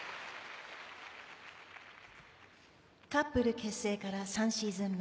カップル結成から３シーズン目。